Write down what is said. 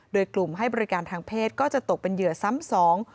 โดยกลุ่มให้บริการทางเพศก็จะตกเป็นเหยื่อซ้ำสอง